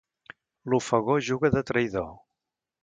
L'ofegor juga de traïdor.